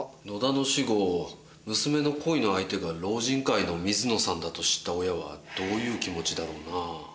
野田の死後娘の恋の相手が老人会の水野さんだと知った親はどういう気持ちだろうな？